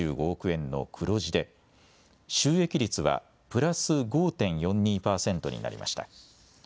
円の黒字で収益率はプラス５．４２％になりました。